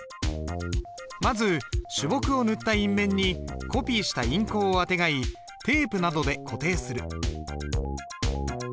まず朱墨を塗った印面にコピーした印稿をあてがいテープなどで固定する。